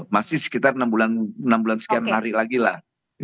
masih sekitar enam bulan sekian hari lagi lah